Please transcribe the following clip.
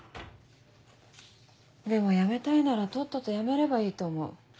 でも辞めたいならとっとと辞めればいいと思う。